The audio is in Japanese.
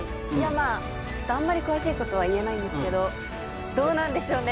まあちょっとあんまり詳しいことは言えないんですけどどうなんでしょうね？